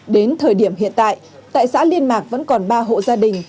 đến thời điểm hiện tại tại xã liên mạc vẫn còn ba hộ gia đình